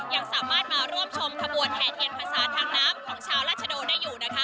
ยังสามารถมาร่วมชมขบวนแห่เทียนภาษาทางน้ำของชาวราชโดได้อยู่นะคะ